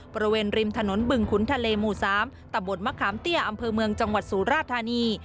บริเวณริมถนนบึงขุนทะเลหมู่๓ตะบดมะขามเตี้ยอำเภอเมืองจังหวัดสุราธานี